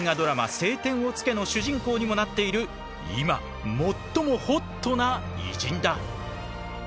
「青天を衝け」の主人公にもなっている今最もホットな偉人だ。